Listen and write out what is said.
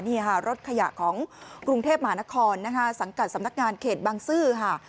นี่ค่ะรถขยะของกรุงเทพมหานครนะคะสังกัดสำนักงานเขตบางซื่อค่ะ